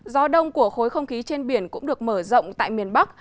gió đông của khối không khí trên biển cũng được mở rộng tại miền bắc